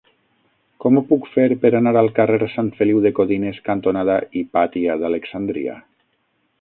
Com ho puc fer per anar al carrer Sant Feliu de Codines cantonada Hipàtia d'Alexandria?